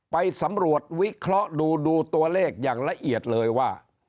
ไปสำรวจวิเคราะห์ดูดูตัวเลขอย่างละเอียดเลยว่า